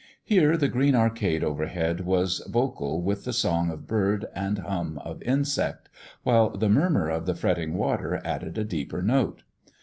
Here the green arcade overhead was vocal with the song of bird and hum of insect, while the murmur of the fretting water added a deeper note.